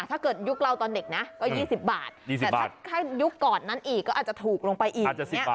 ยุคเราตอนเด็กนะก็๒๐บาทแต่ถ้ายุคก่อนนั้นอีกก็อาจจะถูกลงไปอีก